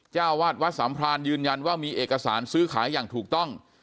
เจ้าวาดวัดสามพรานยืนยันว่ามีเอกสารซื้อขายอย่างถูกต้อง